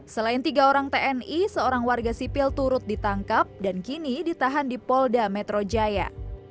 selain tiga orang tni seorang warga sipil turut ditangkap dan kini ditahan di polda metro jaya